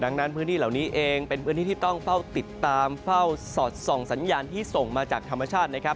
ดังนั้นพื้นที่เหล่านี้เองเป็นพื้นที่ที่ต้องเฝ้าติดตามเฝ้าสอดส่องสัญญาณที่ส่งมาจากธรรมชาตินะครับ